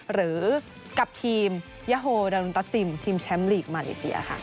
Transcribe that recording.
หรือกับทีมยาโฮดารุนตัสซิมทีมแชมป์ลีกมาเลเซียค่ะ